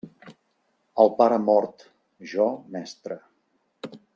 El pare mort, jo mestre.